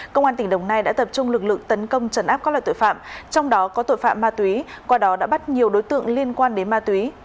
công an tỉnh đồng nai đã tập trung lực lượng tấn công trấn áp các loại tội phạm trong đó có tội phạm ma túy qua đó đã bắt nhiều đối tượng liên quan đến ma túy